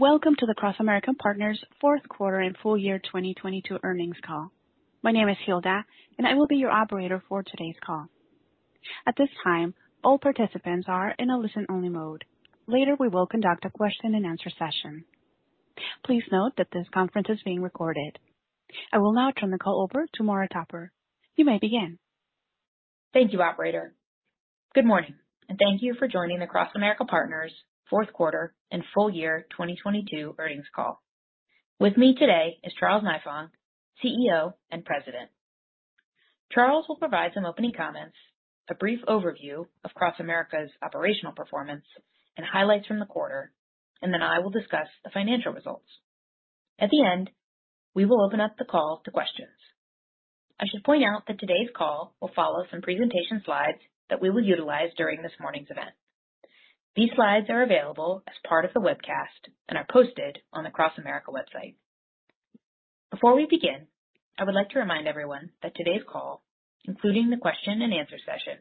Welcome to the CrossAmerica Partners fourth quarter and full year 2022 earnings call. My name is Hilda and I will be your operator for today's call. At this time, all participants are in a listen-only mode. Later, we will conduct a question-and-answer session. Please note that this conference is being recorded. I will now turn the call over to Maura Topper. You may begin. Thank you, operator. Good morning, and thank you for joining the CrossAmerica Partners Q4 and full year 2022 earnings call. With me today is Charles Nifong, CEO and President. Charles will provide some opening comments, a brief overview of CrossAmerica's operational performance and highlights from the quarter, and then I will discuss the financial results. At the end, we will open up the call to questions. I should point out that today's call will follow some presentation slides that we will utilize during this morning's event. These slides are available as part of the webcast and are posted on the CrossAmerica website. Before we begin, I would like to remind everyone that today's call, including the question-and-answer session,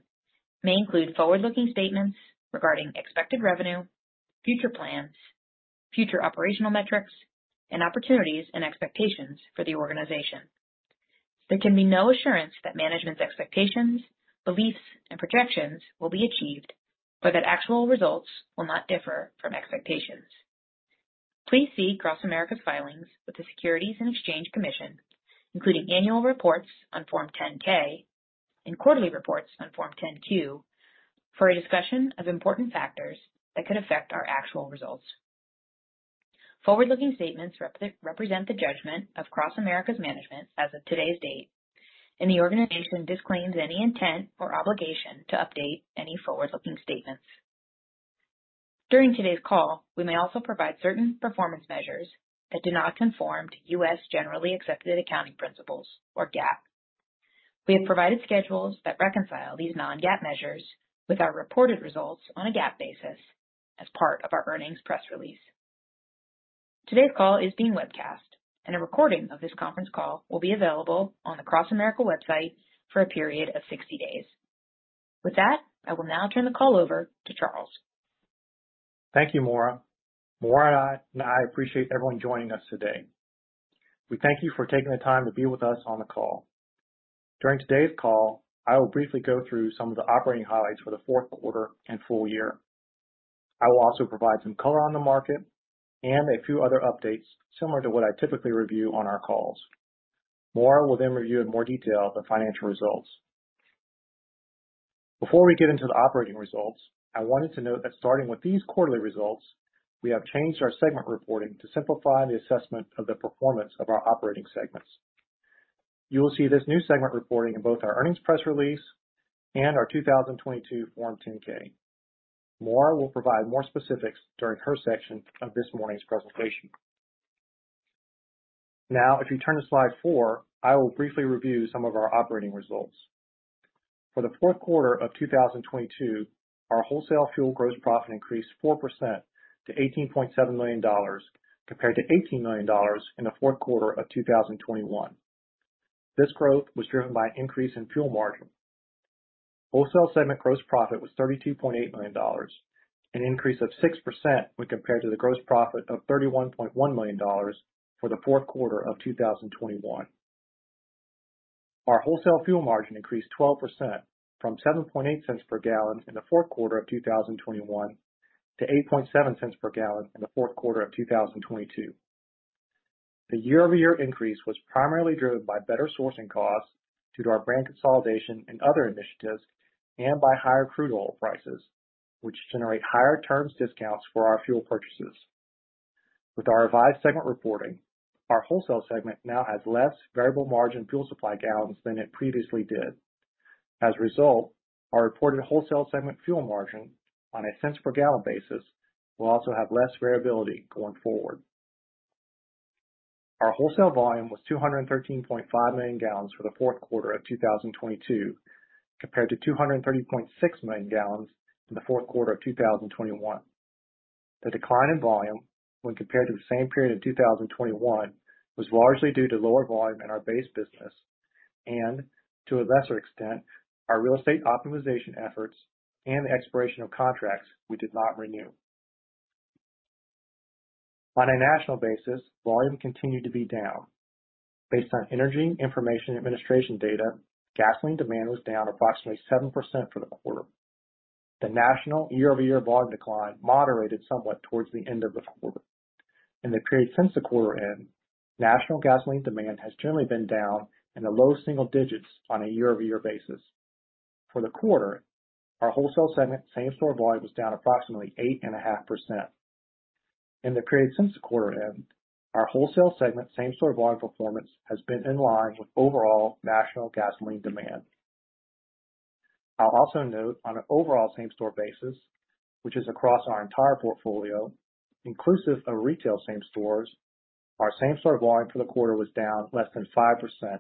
may include forward-looking statements regarding expected revenue, future plans, future operational metrics, and opportunities and expectations for the organization. There can be no assurance that management's expectations, beliefs, and projections will be achieved or that actual results will not differ from expectations. Please see CrossAmerica's filings with the Securities and Exchange Commission, including annual reports on Form 10-K and quarterly reports on Form 10-Q, for a discussion of important factors that could affect our actual results. Forward-looking statements represent the judgment of CrossAmerica's management as of today's date. The organization disclaims any intent or obligation to update any forward-looking statements. During today's call, we may also provide certain performance measures that do not conform to US generally accepted accounting principles or GAAP. We have provided schedules that reconcile these non-GAAP measures with our reported results on a GAAP basis as part of our earnings press release. Today's call is being webcast. A recording of this conference call will be available on the CrossAmerica Partners website for a period of 60 days. With that, I will now turn the call over to Charles Nifong. Thank you, Maura. Maura and I appreciate everyone joining us today. We thank you for taking the time to be with us on the call. During today's call, I will briefly go through some of the operating highlights for the fourth quarter and full year. I will also provide some color on the market and a few other updates similar to what I typically review on our calls. Maura will then review in more detail the financial results. Before we get into the operating results, I wanted to note that starting with these quarterly results, we have changed our segment reporting to simplify the assessment of the performance of our operating segments. You will see this new segment reporting in both our earnings press release and our 2022 Form 10-K. Maura will provide more specifics during her section of this morning's presentation. If you turn to slide 4, I will briefly review some of our operating results. For the fourth quarter of 2022, our wholesale fuel gross profit increased 4% to $18.7 million, compared to $18 million in the fourth quarter of 2021. This growth was driven by an increase in fuel margin. Wholesale segment gross profit was $32.8 million, an increase of 6% when compared to the gross profit of $31.1 million for the fourth quarter of 2021. Our wholesale fuel margin increased 12% from 7.8 cents per gallon in the fourth quarter of 2021 to 8.7 cents per gallon in the fourth quarter of 2022. The year-over-year increase was primarily driven by better sourcing costs due to our brand consolidation and other initiatives, and by higher crude oil prices, which generate higher terms discounts for our fuel purchases. With our revised segment reporting, our wholesale segment now has less variable margin fuel supply gallons than it previously did. As a result, our reported wholesale segment fuel margin on a cents per gallon basis will also have less variability going forward. Our wholesale volume was 213.5 million gallons for the fourth quarter of 2022, compared to 230.6 million gallons in the fourth quarter of 2021. The decline in volume when compared to the same period in 2021 was largely due to lower volume in our base business and, to a lesser extent, our real estate optimization efforts and the expiration of contracts we did not renew. On a national basis, volume continued to be down. Based on Energy Information Administration data, gasoline demand was down approximately 7% for the quarter. The national year-over-year volume decline moderated somewhat towards the end of the quarter. In the period since the quarter end, national gasoline demand has generally been down in the low single digits on a year-over-year basis. For the quarter, our wholesale segment same-store volume was down approximately 8.5%. In the period since the quarter end, our wholesale segment same-store volume performance has been in line with overall national gasoline demand. I'll also note on an overall same-store basis, which is across our entire portfolio, inclusive of retail same stores, our same-store volume for the quarter was down less than 5%,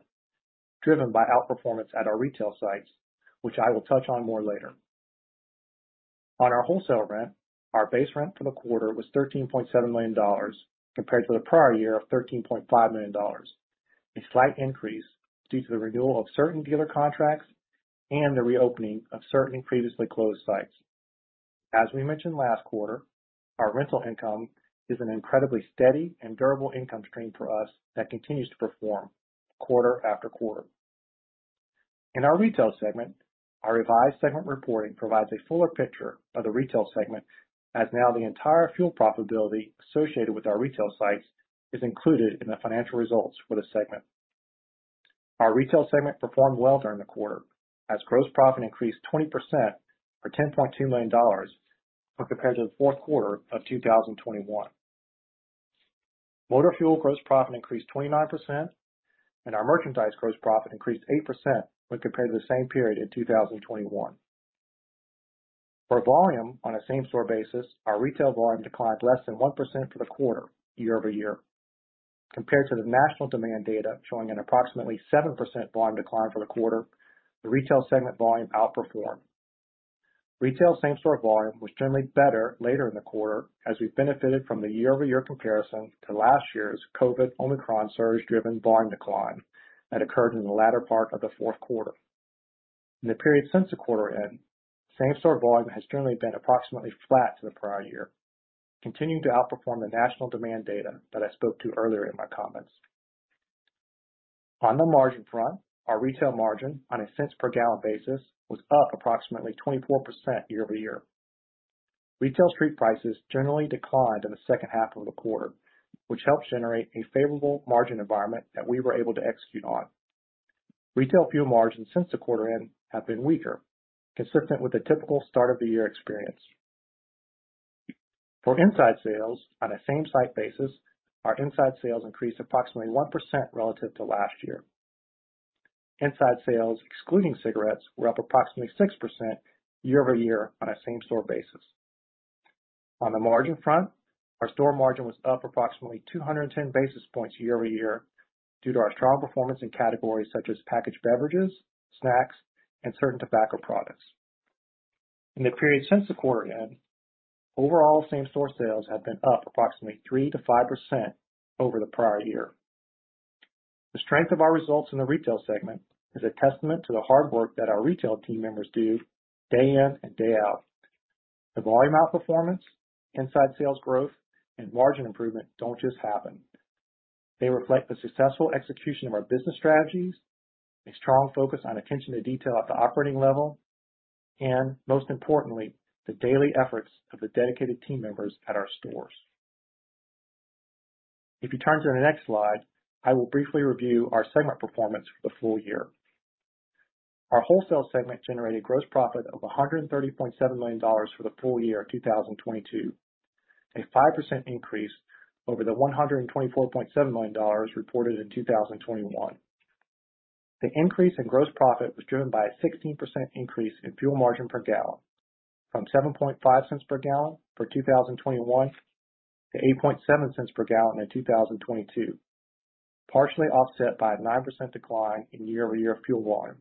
driven by outperformance at our retail sites, which I will touch on more later. Our wholesale rent, our base rent for the quarter was $13.7 million, compared to the prior year of $13.5 million. A slight increase due to the renewal of certain dealer contracts and the reopening of certain previously closed sites. As we mentioned last quarter, our rental income is an incredibly steady and durable income stream for us that continues to perform quarter after quarter. In our retail segment, our revised segment reporting provides a fuller picture of the retail segment, as now the entire fuel profitability associated with our retail sites is included in the financial results for the segment. Our retail segment performed well during the quarter as gross profit increased 20% for $10.2 million when compared to the fourth quarter of 2021. Motor fuel gross profit increased 29% and our merchandise gross profit increased 8% when compared to the same period in 2021. For volume on a same-store basis, our retail volume declined less than 1% for the quarter year-over-year. Compared to the national demand data showing an approximately 7% volume decline for the quarter, the retail segment volume outperformed. Retail same-store volume was generally better later in the quarter as we benefited from the year-over-year comparison to last year's COVID Omicron surge-driven volume decline that occurred in the latter part of the fourth quarter. In the period since the quarter end, same-store volume has generally been approximately flat to the prior year, continuing to outperform the national demand data that I spoke to earlier in my comments. On the margin front, our retail margin on a cents per gallon basis was up approximately 24% year-over-year. Retail street prices generally declined in the second half of the quarter, which helped generate a favorable margin environment that we were able to execute on. Retail fuel margins since the quarter end have been weaker, consistent with the typical start of the year experience. For inside sales on a same-site basis, our inside sales increased approximately 1% relative to last year. Inside sales, excluding cigarettes, were up approximately 6% year-over-year on a same-store basis. On the margin front, our store margin was up approximately 210 basis points year-over-year due to our strong performance in categories such as packaged beverages, snacks, and certain tobacco products. In the period since the quarter end, overall same-store sales have been up approximately 3%-5% over the prior year. The strength of our results in the retail segment is a testament to the hard work that our retail team members do day in and day out. The volume outperformance, inside sales growth, and margin improvement don't just happen. They reflect the successful execution of our business strategies, a strong focus on attention to detail at the operating level, and most importantly, the daily efforts of the dedicated team members at our stores. If you turn to the next slide, I will briefly review our segment performance for the full year. Our wholesale segment generated gross profit of $130.7 million for the full year of 2022, a 5% increase over the $124.7 million reported in 2021. The increase in gross profit was driven by a 16% increase in fuel margin per gallon from 7.5 cents per gallon for 2021 to 8.7 cents per gallon in 2022, partially offset by a 9% decline in year-over-year fuel volume.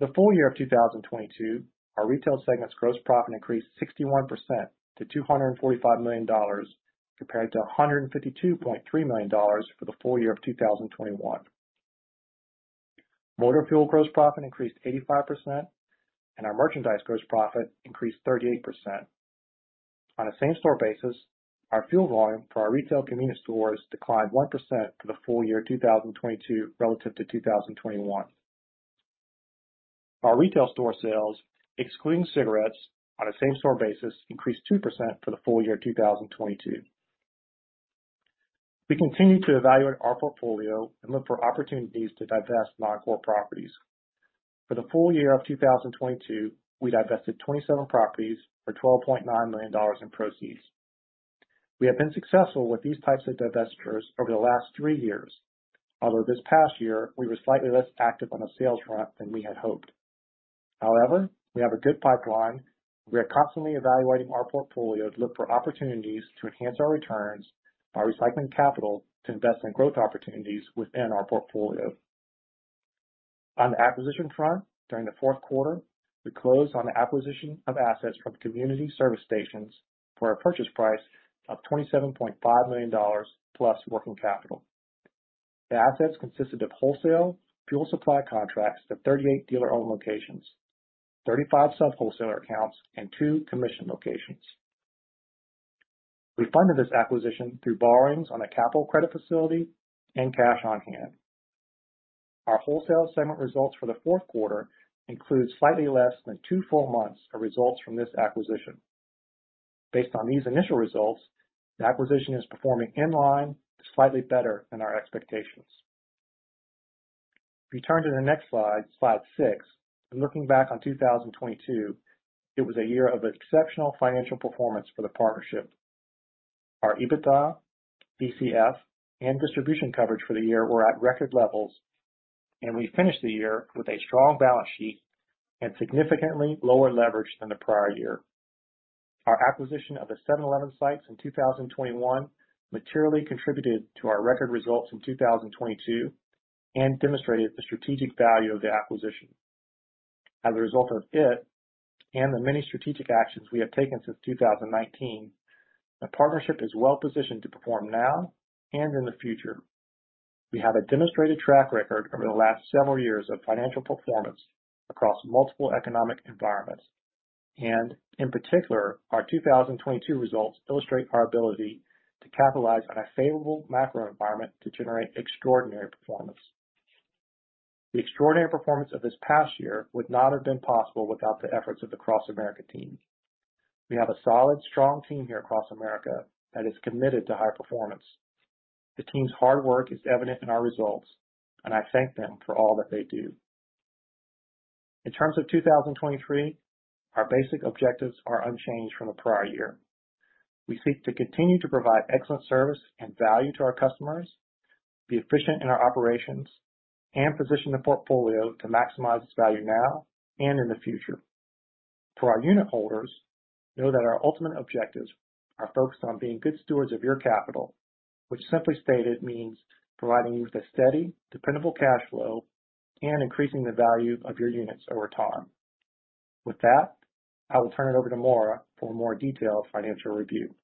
The full year of 2022, our retail segment's gross profit increased 61% to $245 million compared to $152.3 million for the full year of 2021. Motor fuel gross profit increased 85%, and our merchandise gross profit increased 38%. On a same-store basis, our fuel volume for our retail convenience stores declined 1% for the full year 2022 relative to 2021. Our retail store sales, excluding cigarettes on a same-store basis, increased 2% for the full year of 2022. We continue to evaluate our portfolio and look for opportunities to divest non-core properties. For the full year of 2022, we divested 27 properties for $12.9 million in proceeds. We have been successful with these types of divestitures over the last three years. This past year we were slightly less active on the sales front than we had hoped. We have a good pipeline. We are constantly evaluating our portfolio to look for opportunities to enhance our returns by recycling capital to invest in growth opportunities within our portfolio. On the acquisition front, during the fourth quarter, we closed on the acquisition of assets from Community Service Stations for a purchase price of $27.5 million plus working capital. The assets consisted of wholesale fuel supply contracts to 38 dealer-owned locations, 35 sub-wholesaler accounts, and two commission locations. We funded this acquisition through borrowings on a capital credit facility and cash on hand. Our wholesale segment results for the fourth quarter includes slightly less than two full months of results from this acquisition. If you turn to the next slide six, in looking back on 2022, it was a year of exceptional financial performance for the partnership. Our EBITDA, DCF, and Distribution Coverage for the year were at record levels, and we finished the year with a strong balance sheet and significantly lower leverage than the prior year. Our acquisition of the 7-Eleven sites in 2021 materially contributed to our record results in 2022 and demonstrated the strategic value of the acquisition. As a result of it and the many strategic actions we have taken since 2019, the partnership is well-positioned to perform now and in the future. We have a demonstrated track record over the last several years of financial performance across multiple economic environments. In particular, our 2022 results illustrate our ability to capitalize on a favorable macro environment to generate extraordinary performance. The extraordinary performance of this past year would not have been possible without the efforts of the CrossAmerica team. We have a solid, strong team here at CrossAmerica that is committed to high performance. The team's hard work is evident in our results, and I thank them for all that they do. In terms of 2023, our basic objectives are unchanged from the prior year. We seek to continue to provide excellent service and value to our customers, be efficient in our operations, and position the portfolio to maximize its value now and in the future. For our unitholders, know that our ultimate objectives are focused on being good stewards of your capital, which simply stated means providing you with a steady, dependable cash flow and increasing the value of your units over time. With that, I will turn it over to Maura for a more detailed financial review.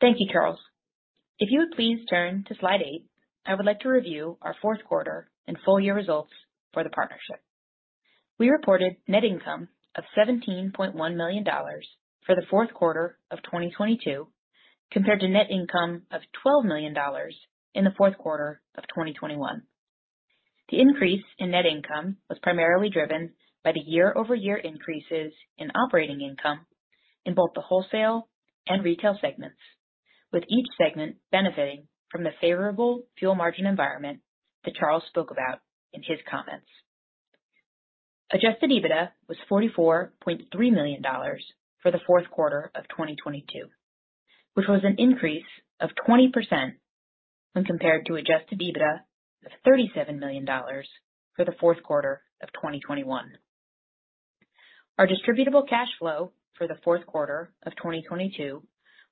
Thank you, Charles. If you would please turn to slide eight, I would like to review our fourth quarter and full year results for the partnership. We reported net income of $17.1 million for the fourth quarter of 2022, compared to net income of $12 million in the fourth quarter of 2021. The increase in net income was primarily driven by the year-over-year increases in operating income in both the wholesale and retail segments, with each segment benefiting from the favorable fuel margin environment that Charles spoke about in his comments. Adjusted EBITDA was $44.3 million for the fourth quarter of 2022, which was an increase of 20% when compared to Adjusted EBITDA of $37 million for the fourth quarter of 2021. Our Distributable Cash Flow for the fourth quarter of 2022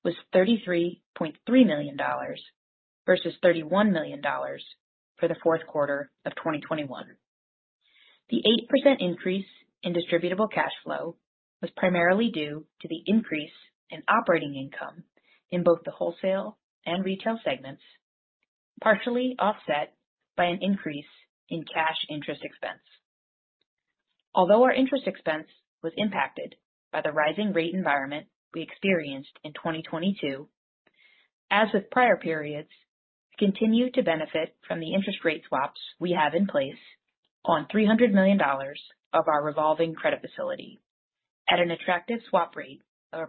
was $33.3 million versus $31 million for the fourth quarter of 2021. The 8% increase in Distributable Cash Flow was primarily due to the increase in operating income in both the wholesale and retail segments, partially offset by an increase in cash interest expense. Our interest expense was impacted by the rising rate environment we experienced in 2022, as with prior periods, we continue to benefit from the interest rate swaps we have in place on $300 million of our revolving credit facility at an attractive swap rate of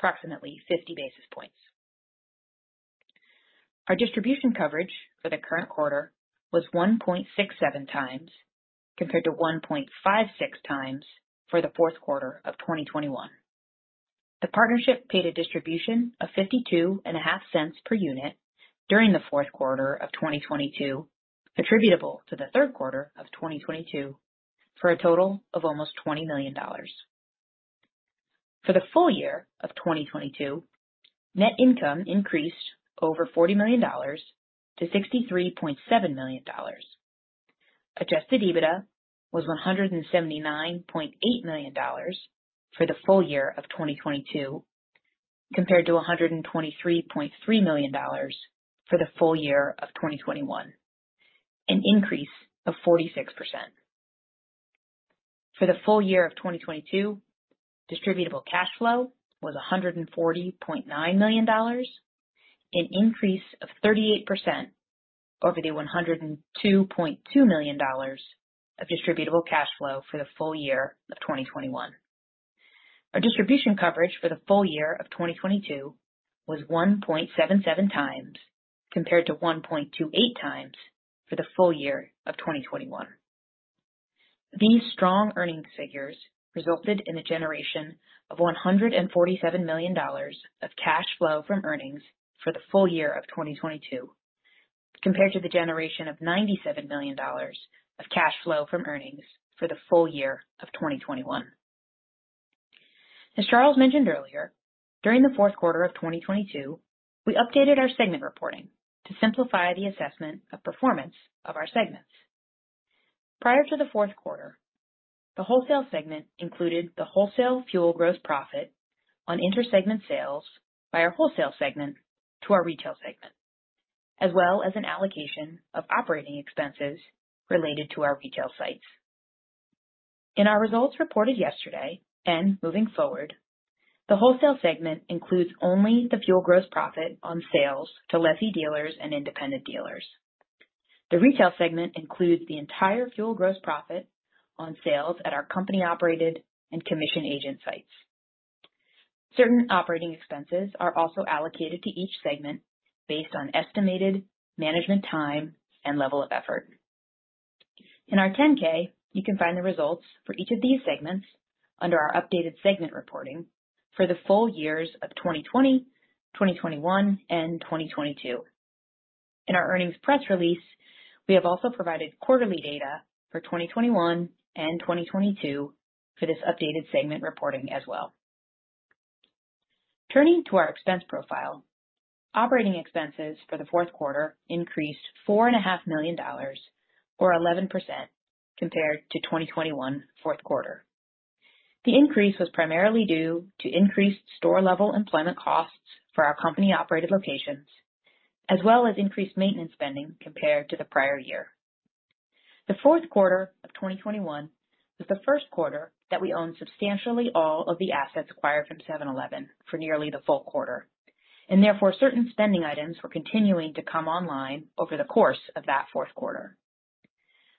approximately 50 basis points. Our distribution coverage for the current quarter was 1.67x, compared to 1.56x for the fourth quarter of 2021. The partnership paid a distribution of fifty-two and a half cents per unit during the fourth quarter of 2022, attributable to the third quarter of 2022 for a total of almost $20 million. For the full year of 2022, net income increased over $40 million-$63.7 million. Adjusted EBITDA was $179.8 million for the full year of 2022, compared to $123.3 million for the full year of 2021, an increase of 46%. For the full year of 2022, Distributable Cash Flow was $140.9 million, an increase of 38% over the $102.2 million of Distributable Cash Flow for the full year of 2021. Our distribution coverage for the full year of 2022 was 1.77 times compared to 1.28x for the full year of 2021. These strong earnings figures resulted in the generation of $147 million of cash flow from earnings for the full year of 2022, compared to the generation of $97 million of cash flow from earnings for the full year of 2021. As Charles Nifong mentioned earlier, during the fourth quarter of 2022, we updated our segment reporting to simplify the assessment of performance of our segments. Prior to the fourth quarter, the wholesale segment included the wholesale fuel gross profit on inter-segment sales by our wholesale segment to our retail segment, as well as an allocation of operating expenses related to our retail sites. In our results reported yesterday and moving forward, the wholesale segment includes only the fuel gross profit on sales to lessee dealers and independent dealers. The retail segment includes the entire fuel gross profit on sales at our company-operated and commission agent sites. Certain operating expenses are also allocated to each segment based on estimated management time and level of effort. In our 10-K, you can find the results for each of these segments under our updated segment reporting for the full years of 2020, 2021, and 2022. In our earnings press release, we have also provided quarterly data for 2021 and 2022 for this updated segment reporting as well. Turning to our expense profile, operating expenses for the fourth quarter increased $4.5 million or 11% compared to 2021 fourth quarter. The increase was primarily due to increased store level employment costs for our company operated locations, as well as increased maintenance spending compared to the prior year. The fourth quarter of 2021 was the first quarter that we owned substantially all of the assets acquired from 7-Eleven for nearly the full quarter. Therefore, certain spending items were continuing to come online over the course of that fourth quarter.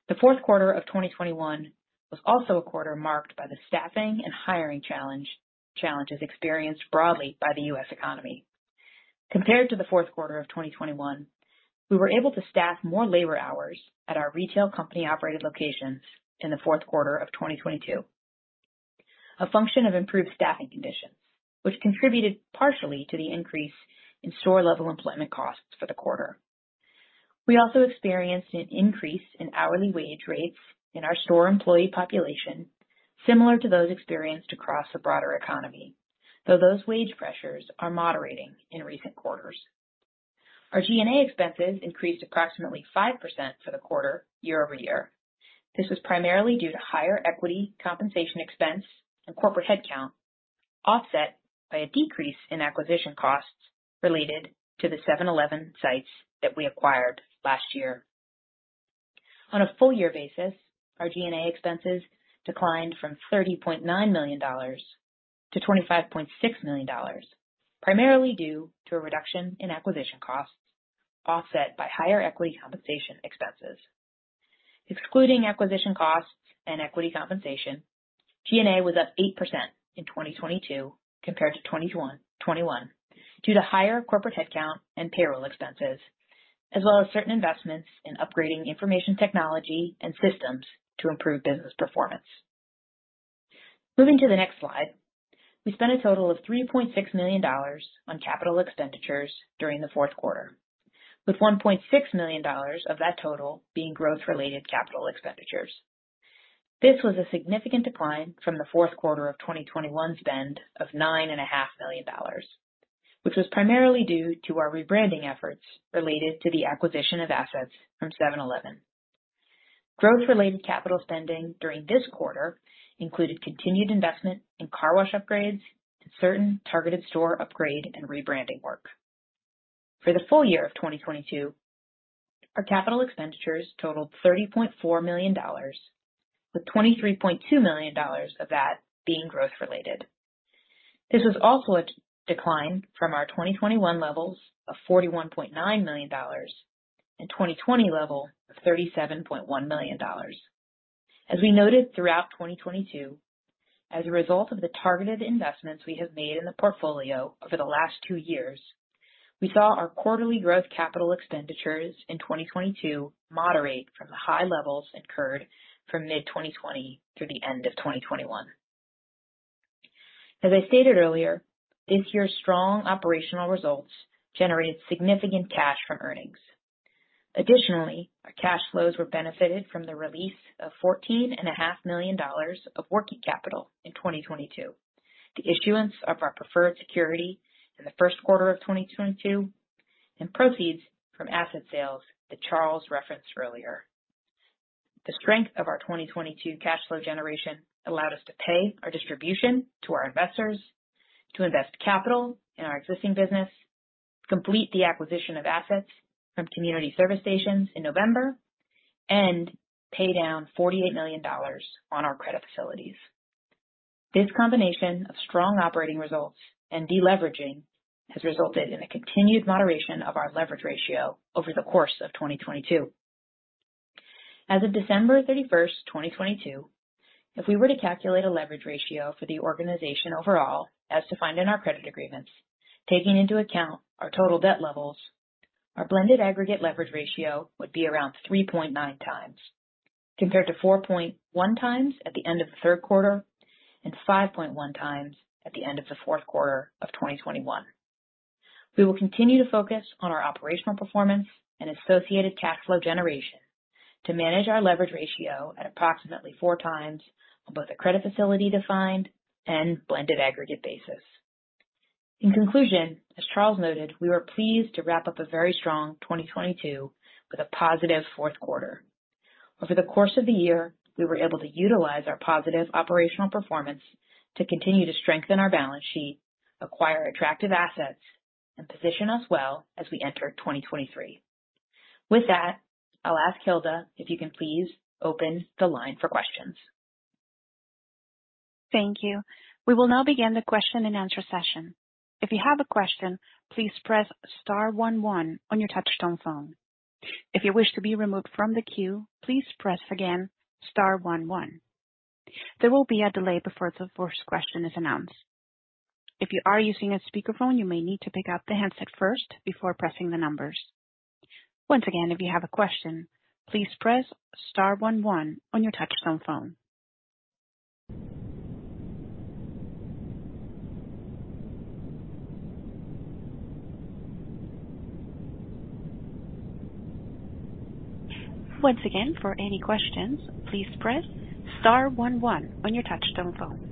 The fourth quarter of 2021 was also a quarter marked by the staffing and hiring challenges experienced broadly by the US economy. Compared to the fourth quarter of 2021, we were able to staff more labor hours at our retail company operated locations in the fourth quarter of 2022, a function of improved staffing conditions which contributed partially to the increase in store level employment costs for the quarter. We also experienced an increase in hourly wage rates in our store employee population similar to those experienced across the broader economy. Those wage pressures are moderating in recent quarters. Our G&A expenses increased approximately 5% for the quarter year-over-year. This was primarily due to higher equity compensation expense and corporate headcount, offset by a decrease in acquisition costs related to the 7-Eleven sites that we acquired last year. On a full year basis, our G&A expenses declined from $30.9 million- $25.6 million, primarily due to a reduction in acquisition costs offset by higher equity compensation expenses. Excluding acquisition costs and equity compensation, G&A was up 8% in 2022 compared to 2021 due to higher corporate headcount and payroll expenses, as well as certain investments in upgrading information technology and systems to improve business performance. Moving to the next slide. We spent a total of $3.6 million on capital expenditures during the fourth quarter, with $1.6 million of that total being growth-related capital expenditures. This was a significant decline from the fourth quarter of 2021 spend of nine and a half million dollars, which was primarily due to our rebranding efforts related to the acquisition of assets from 7-Eleven. Growth-related capital spending during this quarter included continued investment in car wash upgrades and certain targeted store upgrade and rebranding work. For the full year of 2022, our capital expenditures totaled $30.4 million, with $23.2 million of that being growth-related. This was also a decline from our 2021 levels of $41.9 million and 2020 level of $37.1 million. As we noted throughout 2022, as a result of the targeted investments we have made in the portfolio over the last two years, we saw our quarterly growth capital expenditures in 2022 moderate from the high levels incurred from mid-2020 through the end of 2021. As I stated earlier, this year's strong operational results generated significant cash from earnings. Our cash flows were benefited from the release of fourteen and a half million dollars of working capital in 2022, the issuance of our preferred security in the first quarter of 2022, and proceeds from asset sales that Charles referenced earlier. The strength of our 2022 cash flow generation allowed us to pay our distribution to our investors, to invest capital in our existing business, complete the acquisition of assets from Community Service Stations in November, and pay down $48 million on our credit facilities. This combination of strong operating results and deleveraging has resulted in a continued moderation of our leverage ratio over the course of 2022. As of December 31, 2022, if we were to calculate a leverage ratio for the organization overall as defined in our credit agreements, taking into account our total debt levels, our blended aggregate leverage ratio would be around 3.9x, compared to 4.1x at the end of the third quarter and 5.1x at the end of the fourth quarter of 2021. We will continue to focus on our operational performance and associated cash flow generation to manage our leverage ratio at approximately 4x on both a credit facility defined and blended aggregate basis. As Charles noted, we were pleased to wrap up a very strong 2022 with a positive fourth quarter. Over the course of the year, we were able to utilize our positive operational performance to continue to strengthen our balance sheet, acquire attractive assets, and position us well as we enter 2023. I'll ask Hilda if you can please open the line for questions. Thank you. We will now begin the question and answer session. If you have a question, please press star one one on your touchtone phone. If you wish to be removed from the queue, please press again star one one. There will be a delay before the first question is announced. If you are using a speakerphone, you may need to pick up the handset first before pressing the numbers. Once again, if you have a question, please press star one one on your touchtone phone. Once again, for any questions, please press star one one on your touchtone phone.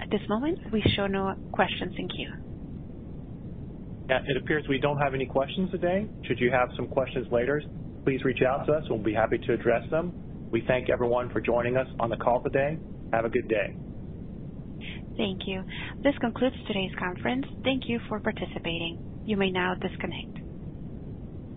At this moment, we show no questions in queue. Yeah, it appears we don't have any questions today. Should you have some questions later, please reach out to us and we'll be happy to address them. We thank everyone for joining us on the call today. Have a good day. Thank you. This concludes today's conference. Thank you for participating. You may now disconnect.